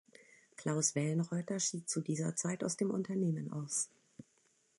Claus Wellenreuther schied zu dieser Zeit aus dem Unternehmen aus.